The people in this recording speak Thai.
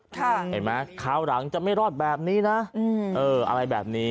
เห็นไหมคราวหลังจะไม่รอดแบบนี้นะเอออะไรแบบนี้